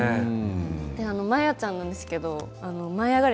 まやちゃんなんですけど「舞いあがれ！」